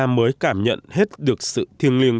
mới cảm nhận hết được sự thiêng liêng